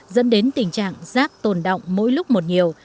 dẫn đến tình trạng rác tồn động mỗi lúc một nhiều